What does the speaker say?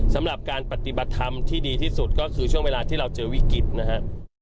สำหรับการปฏิบัติธรรมที่ดีที่สุดก็คือช่วงเวลาที่เราเจอวิกฤตนะครับ